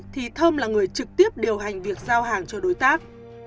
thì thơm là người trực tiếp điều hành việc giao hàng cho đối tác